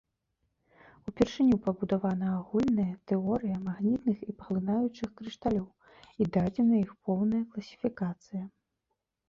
Упершыню пабудавана агульная тэорыя магнітных і паглынаючых крышталёў і дадзена іх поўная класіфікацыя.